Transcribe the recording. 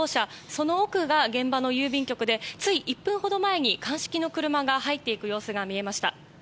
その奥が現場の郵便局でつい１分ほど前に、鑑識の車が入っていく様子が見えました。